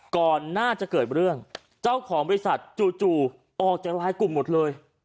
ก่อนน่าจะเกิดเรื่องเจ้าของบริษัทจู่ออกจากลายกลุ่มหมดเลย